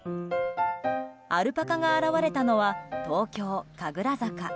アルパカが現れたのは東京・神楽坂。